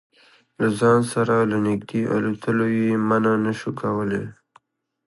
له ځان سره له نږدې الوتلو یې منع نه شو کولای.